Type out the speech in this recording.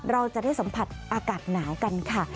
เราจะได้สัมผัสอากาศหนาวกันค่ะ